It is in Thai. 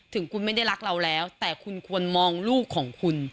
ถึงคุณไม่ได้รักเราแล้วแต่คุณควรมองลูกของคุณ